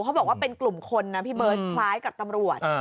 เขาบอกว่าเป็นกลุ่มคนนะพี่เบิร์ตคล้ายกับตำรวจ